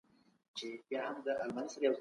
سياسي ګوندونه په ټولنه کي فعاليت کوي.